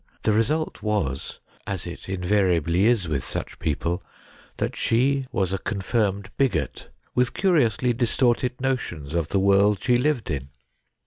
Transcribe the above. The result was, as it invariably is with such people, that she was a confirmed bigot, with curiously distorted notions of the world she lived in.